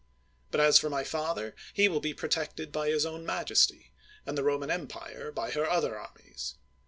But as for my father, he will be protected by his own majesty; and the Roman empire by her other armies.